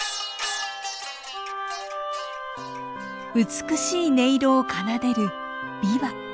美しい音色を奏でる琵琶。